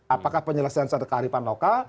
apakah penyelesaian secara keharifan lokal